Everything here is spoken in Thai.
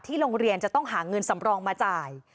โรงเรียนจะต้องหาเงินสำรองมาจ่าย